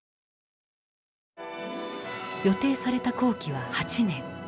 予定された工期は８年。